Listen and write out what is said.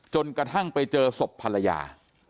จนกระทั่งไปเจอศพภรรยา